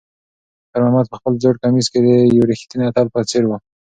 خیر محمد په خپل زوړ کمیس کې د یو ریښتیني اتل په څېر و.